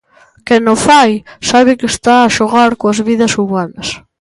Quen o fai sabe que está a xogar coas vidas humanas.